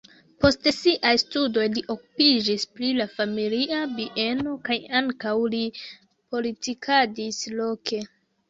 Post siaj studoj li okupiĝis pri la familia bieno kaj ankaŭ li politikadis loke.